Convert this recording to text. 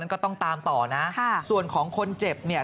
ก็ต้องตามต่อนะส่วนของคนเจ็บเนี่ย